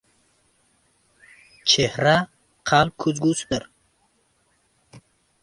Chehra — qalb ko‘zgusidir.